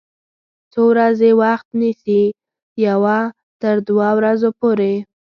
څو ورځې وخت نیسي؟ یوه تر دوه ورځو پوری